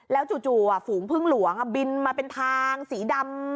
แล้วจู่ฝูงพึ่งหลวงบินมาเป็นทางสีดำ